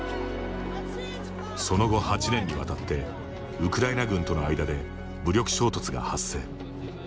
その後、８年にわたってウクライナ軍との間で武力衝突が発生。